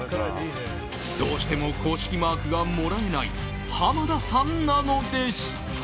どうしても公式マークがもらえない濱田さんなのでした。